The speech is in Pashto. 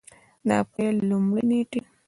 د اپرېل له لومړۍ نېټې